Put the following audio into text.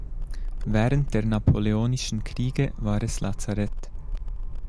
Während der napoleonischen Kriege war es Lazarett.